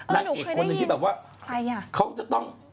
นางเอกคนหนึ่งที่แบบว่าเขาจะต้อง